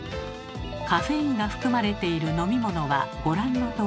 カフェインが含まれている飲み物はご覧のとおり。